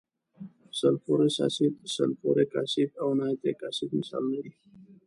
سلفورس اسید، سلفوریک اسید او نایتریک اسید مثالونه دي.